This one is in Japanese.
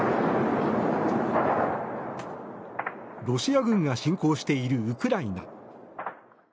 ロシア軍が侵攻しているウクライナ。